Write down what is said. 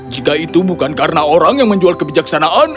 jika itu bukan karena orang yang menjual kebijaksanaan